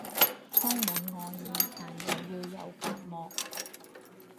充滿愛意但又要有隔膜